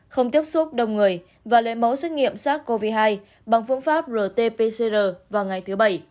không tiếp xúc đông người và lệ mẫu xét nghiệm sát covid hai bằng phương pháp rt pcr vào ngày thứ bảy